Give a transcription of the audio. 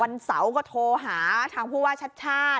วันเสาร์ก็โทหาทางผู้ว่าชาด